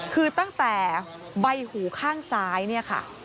คือตั้งแต่ใบหูข้างซ้ายเนี่ยค่ะ